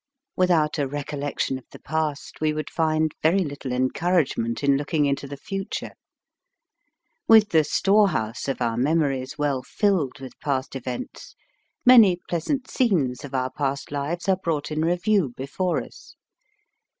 Without a recol lection of the past we would find very little encouragement in looking into the future. With the storehouse of our memories well filled with past events, many pleasant scenes of our past lives are brought in review before us.